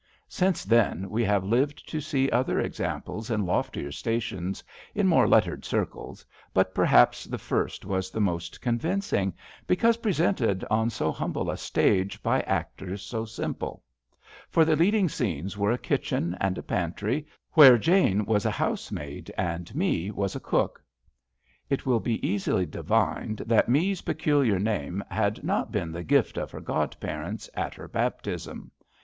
Since then we have lived to see other examples in loftier stations, in more lettered circles, but perhaps the first was the most convincing, because presented on so humble a stage by actors so simple ; for the leading scenes were a kitchen and a pantry, where Jane was a housemaid and Me was a cook. It will be easily divined that Me's peculiar name had not been the gift of her godparents at her baptism.